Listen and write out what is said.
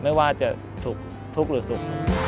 ไม่ว่าจะถูกหรือสุข